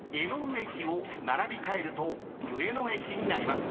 駅を並び替えると「上野駅」になります。